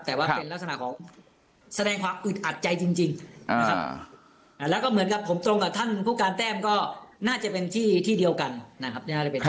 แต่ว่าเป็นลักษณะของแสดงความอึดอัดใจจริงนะครับแล้วก็เหมือนกับผมตรงกับท่านผู้การแต้มก็น่าจะเป็นที่ที่เดียวกันนะครับ